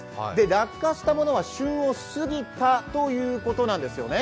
落下したものは旬を過ぎたということなんですよね。